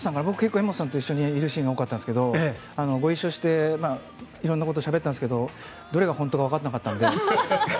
柄本さんと一緒にいるシーンが多かったんですけどご一緒して、いろんなことをしゃべったんですけどどれが本当か分からなかったので。